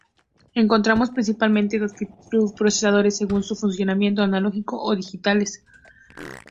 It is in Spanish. Encontramos principalmente dos tipos de procesadores según su funcionamiento: Analógicos o digitales.